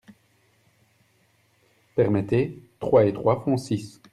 Permettez… trois et trois font six.